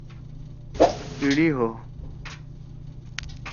ایِڑی ہؤ